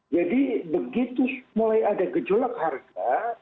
jadi begitu mulai ada gejolak harga